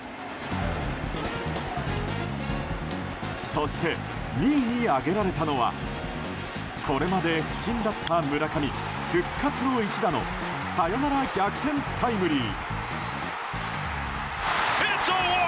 そして、２位に挙げられたのはこれまで不振だった村上、復活の一打のサヨナラ逆転タイムリー。